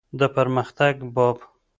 د پرمختګ باب.